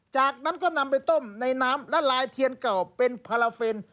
จากนั้นก็นำไปต้มในน้ำและลายเทียนเก่าเป็นพาราเฟน